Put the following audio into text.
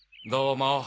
どうも。